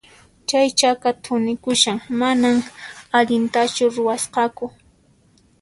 Chay chaka thunikushan, manan allintachu ruwasqaku.